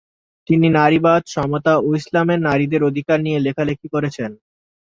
তিনি নারীবাদ, সমতা ও ইসলামের নারীদের অধিকার নিয়ে লেখালিখি করেছেন।